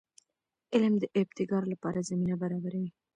علم د ابتکار لپاره زمینه برابروي.